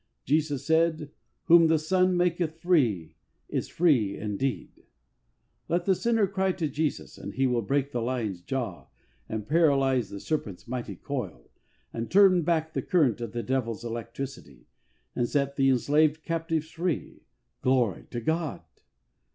Jesus said, "Whom the Son maketh free is free indeed." Let the sinner cry to Jesus and He will break the lion's jaw and paralyse the serpent's mighty coil, and turn back the current of the devil's electricity, and set the enslaved captives free. Glory to God